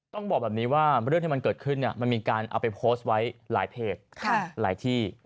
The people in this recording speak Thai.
ต้องบอกแบบนี้ว่าเรื่องที่มันเกิดขึ้นมันมีการเอาไปโพสต์ไว้หลายเพจหลายที่